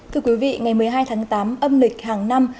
thưa quý vị ngày một mươi hai tháng tám âm lịch hàng năm